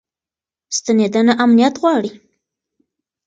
ستنېدنه امنیت غواړي.